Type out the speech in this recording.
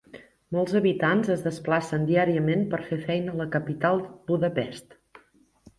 Molts habitants es desplacen diàriament per feina a la capital Budapest.